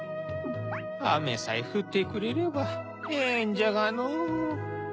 アメさえふってくれればええんじゃがのう。